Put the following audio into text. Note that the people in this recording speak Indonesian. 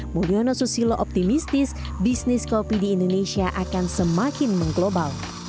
mulyono susilo optimistis bisnis kopi di indonesia akan semakin mengglobal